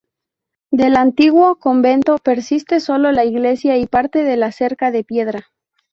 Del antiguo convento persiste solo la Iglesia y parte de la cerca de piedra.